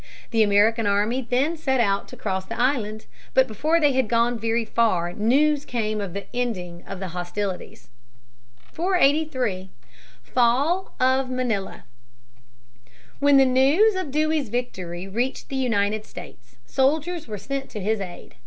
The American army then set out to cross the island. But before they had gone very far news came of the ending of the hostilities. [Sidenote: Fall of Manila.] 483. Fall of Manila. When the news of Dewey's victory (p. 390) reached the United States, soldiers were sent to his aid.